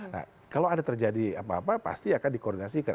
nah kalau ada terjadi apa apa pasti akan dikoordinasikan